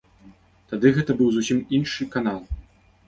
Тады гэта быў зусім іншы канал.